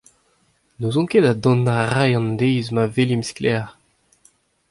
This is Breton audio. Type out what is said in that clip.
N'ouzon ket ha dont a ray an deiz ma welimp sklaer.